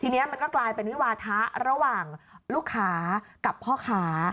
ทีนี้มันก็กลายเป็นวิวาทะระหว่างลูกค้ากับพ่อค้า